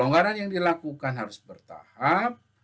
pelonggaran yang dilakukan harus bertahap